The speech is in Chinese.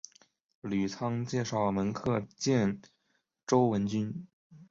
吕仓介绍门客见周文君。